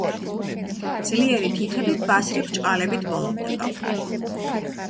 ძლიერი თითები ბასრი ბრჭყალებით ბოლოვდება.